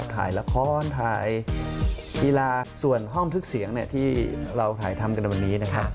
ถ่ายละครถ่ายกีฬาส่วนห้องทุกเสียงที่เราถ่ายทำกันในวันนี้นะครับ